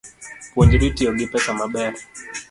Puonjri tiyo gi pesa maber